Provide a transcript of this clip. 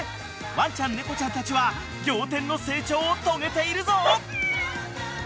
［ワンちゃん猫ちゃんたちは仰天の成長を遂げているぞ！］